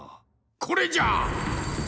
これじゃ！